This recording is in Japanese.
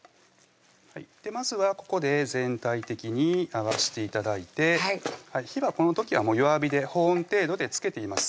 まずはここで全体的に合わして頂いて火はこの時は弱火で保温程度でつけています